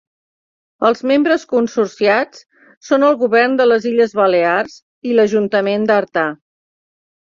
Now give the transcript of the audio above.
Els membres consorciats són el Govern de les Illes Balears i l'Ajuntament d'Artà.